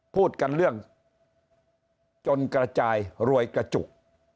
พูดกันเรื่องจนกระจายรวยกระจุก